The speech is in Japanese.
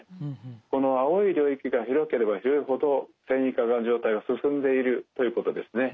この青い領域が広ければ広いほど線維化の状態が進んでいるということですね。